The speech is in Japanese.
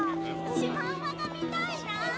シマウマが見たいな！